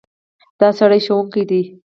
دا سړی ښوونکی دی.